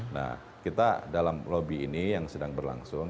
nah kita dalam lobby ini yang sedang berlangsung